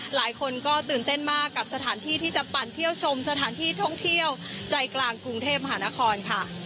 หลายคนก็ตื่นเต้นมากกับสถานที่ที่จะปั่นเที่ยวชมสถานที่ท่องเที่ยวใจกลางกรุงเทพมหานครค่ะ